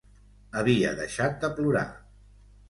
Havia deixat de plorar.